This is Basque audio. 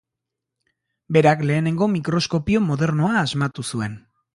Berak lehenengo mikroskopio modernoa asmatu zuen.